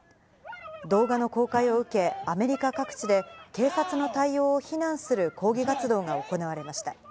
動画の公開を受け、アメリカ各地で、警察の対応を非難する抗議活動が行われました。